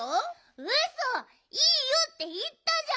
うそ「いいよ」っていったじゃん！